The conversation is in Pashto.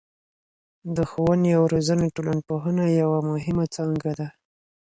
د ښووني او روزني ټولنپوهنه یوه مهمه څانګه ده.